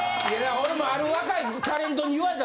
俺もある若いタレントに言われた。